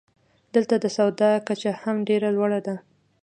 دلته د سواد کچه هم ډېره لوړه ده.